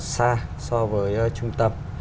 xa so với trung tâm